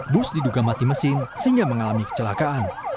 bus diduga mati mesin sehingga mengalami kecelakaan